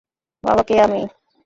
বাবা কে আমি।